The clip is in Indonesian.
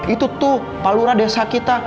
itu tuh pak lura desa kita